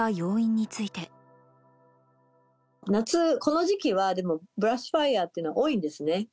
夏、この時期は、ブラッシュ・ファイヤーっていうのは多いんですね。